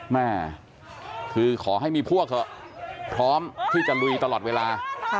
แม่คือขอให้มีพวกเถอะพร้อมที่จะลุยตลอดเวลา